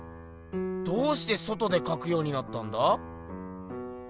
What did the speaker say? どうして外でかくようになったんだ？